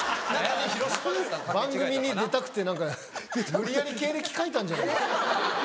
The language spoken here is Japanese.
番組に出たくて何か無理やり経歴書いたんじゃない？